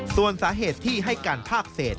ส่วนสาเหตุที่ให้การภาคเศษ